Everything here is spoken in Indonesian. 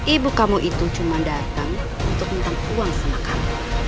ibu kamu itu cuma datang untuk tentang uang sama kamu